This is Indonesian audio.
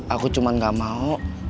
aku cuma gak mau